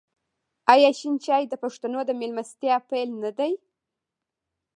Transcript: آیا شین چای د پښتنو د میلمستیا پیل نه دی؟